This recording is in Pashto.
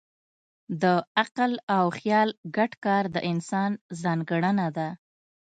د عقل او خیال ګډ کار د انسان ځانګړنه ده.